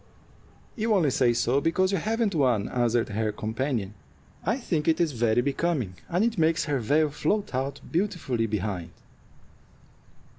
"You only say so because you haven't one," answered her companion. "I think it is very becoming, and it makes her veil float out beautifully behind."